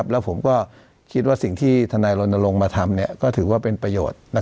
แล้วผมก็คิดว่าสิ่งที่ทนายรณรงค์มาทำก็ถือว่าเป็นประโยชน์